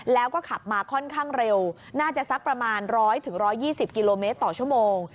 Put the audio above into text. แล้วก็ขับมาค่อนข้างเร็วน่าจะสักประมาณ๑๐๐๑๒๐กิโลเมตรต่อชั่วโมง